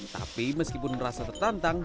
tapi meskipun merasa tertantang